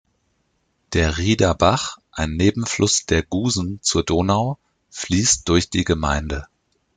Der Rieder Bach, ein Nebenfluss der Gusen zur Donau, fließt durch die Gemeinde.